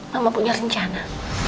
mama punya rencana